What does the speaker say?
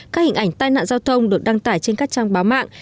các hình ảnh tai nạn giao thông được đăng tải trên các trang báo mạng